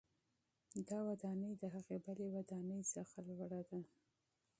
دا ودانۍ د هغې بلې ودانۍ څخه لوړه ده.